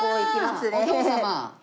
お嬢様。